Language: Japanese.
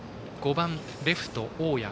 ５番レフト、大矢。